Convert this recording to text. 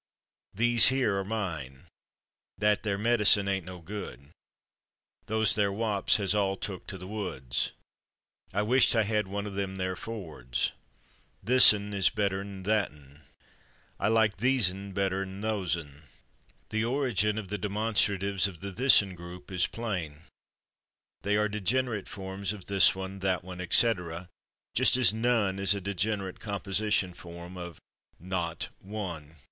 /These here/ are mine. /That there/ medicine ain't no good. /Those there/ wops has all took to the woods. I wisht I had one of /them there/ Fords. /Thisn/ is better'n /thatn/. I like /thesen/ better'n /thosen/. The origin of the demonstratives of the /thisn/ group is plain: they are degenerate forms of /this one/, /that one/, etc., just as /none/ is a degenerate composition form of /no(t) one